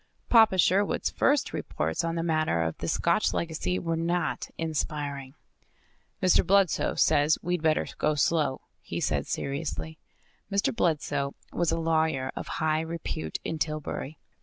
Papa Sherwood's first reports on the matter of the Scotch legacy were not inspiring. "Mr. Bludsoe says we'd better go slow," he said seriously. Mr. Bludsoe was a lawyer of high repute in Tillbury.